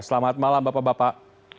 selamat malam bapak bapak